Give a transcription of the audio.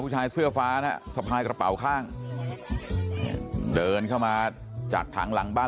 ผู้ชายเสื้อฟ้านะสะพายกระเป๋าข้างเดินเข้ามาจากถังหลังบ้าน